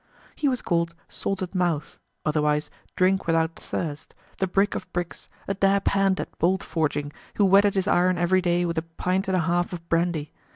He was called Salted Mouth, otherwise Drink without Thirst, the brick of bricks, a dab hand at bolt forging, who wetted his iron every day with a pint and a half of brandy.